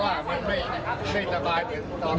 หาแม่ความสนุกขออภัทริตแก่ฟรูเซม